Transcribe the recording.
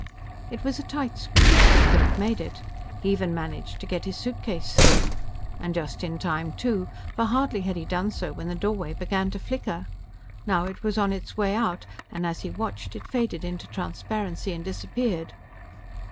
It was a tight squeeze, but Philip made it. He even managed to get his suitcase through. And just in time too, for hardly had he done so when the doorway began to flicker. Now it was on its way out, and as he watched, it faded into transparency and disappeared.